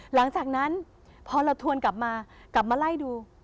หลังจากนั้นพอเราทวนกลับมากลับมาไล่ดู